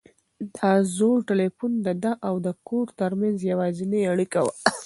دا زوړ تلیفون د ده او د کور تر منځ یوازینۍ اړیکه وه.